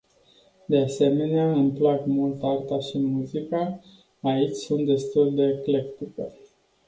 De asemenea, îmi plac mult arta și muzica, aici sunt destul de eclectică.